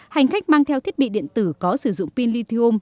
hành khách mang theo thiết bị điện tử có sử dụng pin lithium